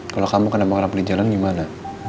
kalau kamu kena mengeram beli jalan gimana